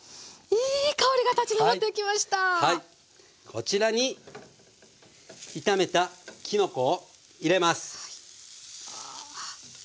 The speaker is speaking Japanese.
こちらに炒めたきのこを入れます。